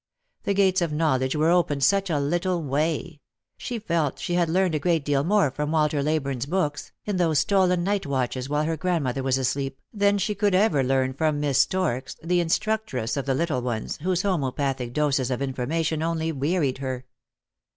The gates of knowledge were opened such a little way; she felt she had learned a great deal more from Walter Leyburne's books, in those stolen night watches while her grandmother was asleep, than she could ever learn from Miss Storks, the instructress of the little ones, whose homcepathic doses of information only wearied her.